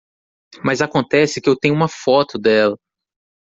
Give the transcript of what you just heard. Mas acontece que eu tenho uma foto dela.